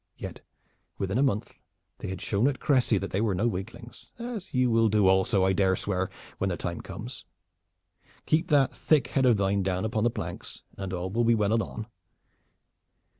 Yet within a month they had shown at Crecy that they were no weaklings, as you will do also, I dare swear, when the time comes. Keep that thick head of thine down upon the planks, and all will be well anon.